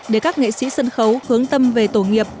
để các nghệ sĩ sân khấu hướng tâm về tổ nghiệp